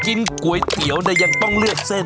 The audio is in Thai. กินก๋วยเตี๋ยวเนี่ยยังต้องเลือกเส้น